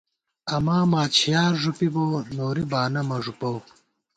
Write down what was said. اماں ماچھیار ݫُپی بوؤ ، نوری بانہ مہ ݫُپَؤ